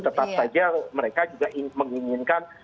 tetap saja mereka juga menginginkan